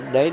để đảm bảo